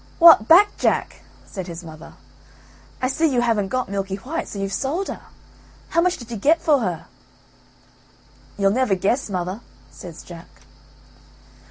"What back, Jack?" said his mother; "I see you haven't got Milky white, so you've sold her. How much did you get for her?" "You'll never guess, mother," says Jack.